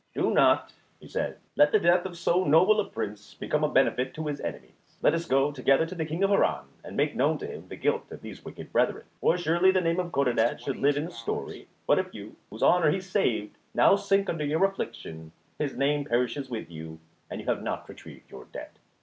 "Do not" he said, "let the death of so noble a Prince become a benefit to his enemies. Let us go together to the King of Harran, and make known to him the guilt of these wicked brethren. For surely the name of Codadad should live in story; but if you, whose honour he saved, now sink under your affliction his name perishes with you, and you have not retrieved your debt."